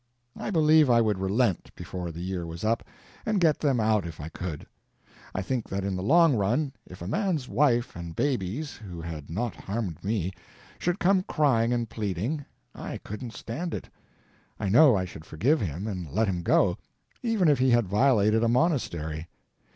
I believe I would relent before the year was up, and get them out if I could. I think that in the long run, if a man's wife and babies, who had not harmed me, should come crying and pleading, I couldn't stand it; I know I should forgive him and let him go, even if he had violated a monastery.